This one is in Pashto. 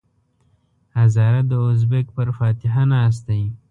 هزاره د ازبک پر فاتحه ناست دی.